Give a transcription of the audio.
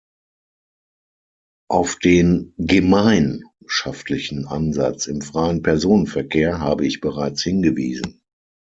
Auf den gemeinschaftlichen Ansatz im freien Personenverkehr habe ich bereits hingewiesen.